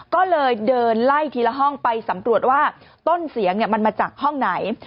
ก็เลยเดินไล่ทีละห้องไปสำรวจว่าต้นเสียงมันมาจากห้องไหน